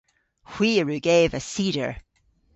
Hwi a wrug eva cider.